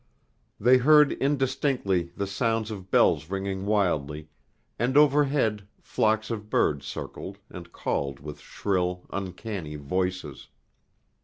They heard indistinctly the sounds of bells ringing wildly, and overhead flocks of birds circled and called with shrill, uncanny voices.